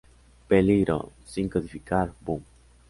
Peligro: Sin codificar Boom!